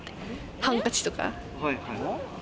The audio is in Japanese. ハンカチとか。